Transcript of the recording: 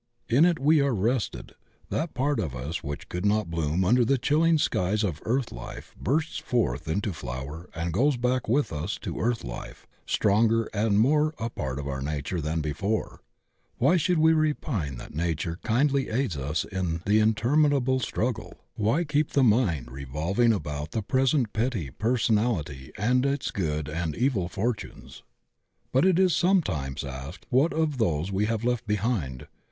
"In it we are rested; that part of us which could not bloom under the chilling skies of earth life bursts forth into flower and goes back with us to earth life stronger and more a part of our nature than before. >^y should we repine that Nature kindly aids us in the interminable struggle, why keep the mind revolving DO WE SEE OUR FRIENDS IN DEVACHAN 115 about the present petty personality and its good and evil fortunes?"* fiut it is sometimes asked, what of those we have left behind?